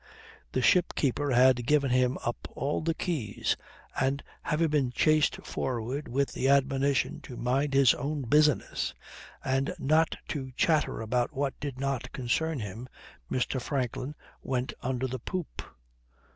The ship keeper having given him up all the keys and having been chased forward with the admonition to mind his own business and not to chatter about what did not concern him, Mr. Franklin went under the poop.